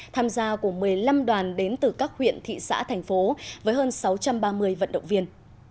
tham gia của một mươi năm đoàn đến từ các huyện thị xã thành phố với hơn sáu trăm ba mươi vận động viên